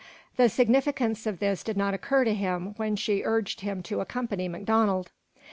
The significance of this did not occur to him when she urged him to accompany MacDonald.